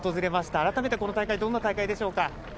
改めて、この大会はどんな大会でしょうか？